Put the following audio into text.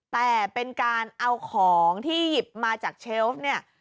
แต่เป็นการเอาของที่หยิบมาจากเชลฟเนี่ย